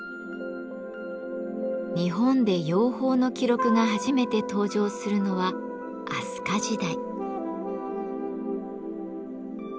日本で養蜂の記録が初めて登場するのは飛鳥時代。